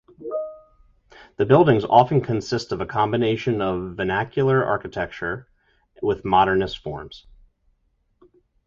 The buildings often consist of a combination of vernacular architecture with modernist forms.